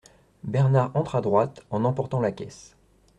Bernard entre à droite en emportant la caisse.